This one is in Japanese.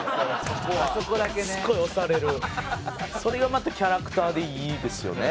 それがまたキャラクターでいいですよね。